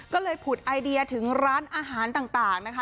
ก็เลยผุดไอเดียถึงร้านอาหารต่างนะคะ